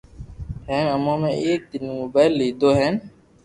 ھين اومون ۾ ايڪ دن موبائل ليدو ھين